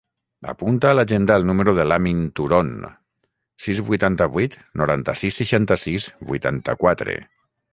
Apunta a l'agenda el número de l'Amin Turon: sis, vuitanta-vuit, noranta-sis, seixanta-sis, vuitanta-quatre.